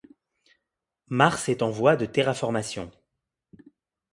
Mars est en voie de terraformation.